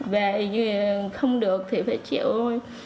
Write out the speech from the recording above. về không được thì phải chịu thôi